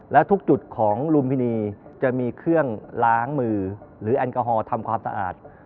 และทุกจุดของลุมพินีจะมีเครื่องล้างมือหรือแอลกอฮอล์ทำความสะอาด